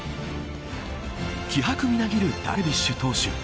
気迫みなぎるダルビッシュ投手。